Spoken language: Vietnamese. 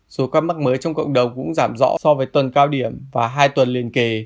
số ca mắc mới trong cộng đồng cũng giảm rõ so với tuần cao điểm và hai tuần liên kề